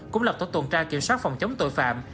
cũng lập tổ tuần tra kiểm soát phòng chống tội phạm